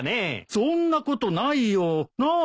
そんなことないよなあ。